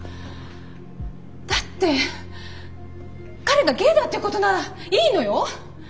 だって彼がゲイだってことならいいのよ。